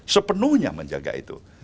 sepenuhnya menjaga itu